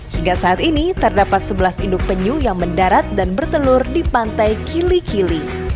hingga saat ini terdapat sebelas induk penyu yang mendarat dan bertelur di pantai kili kili